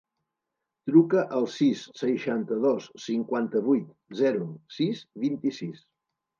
Truca al sis, seixanta-dos, cinquanta-vuit, zero, sis, vint-i-sis.